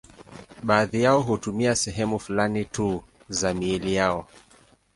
Baadhi yao hutumia sehemu fulani tu za miili yao.